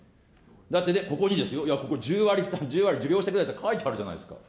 だってね、ここに、いやここ１０割負担、１０割受領してくれって書いてあるじゃないですか。